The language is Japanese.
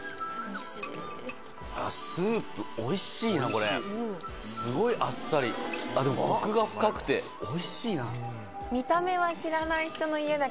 ・おいしい・すごいあっさりでもコクが深くておいしいな。